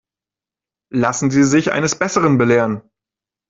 Lassen Sie sich eines Besseren belehren.